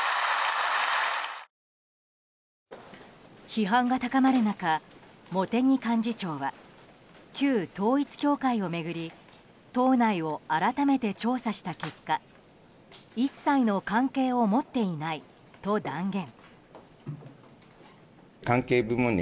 批判が高まる中茂木幹事長は旧統一教会を巡り党内を改めて調査した結果一切の関係を持っていないと断言。